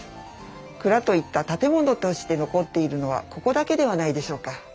蔵といった建物として残っているのはここだけではないでしょうか。